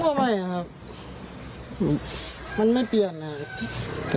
ก็ไม่ครับมันไม่เปลี่ยนนะครับ